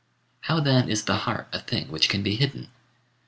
How then is the heart a thing which can be hidden?